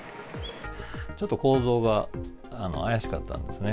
ちょっと行動が怪しかったんですね。